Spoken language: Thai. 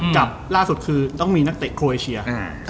กับล่าสุดคือต้องมีนักเตะโครเอเชีย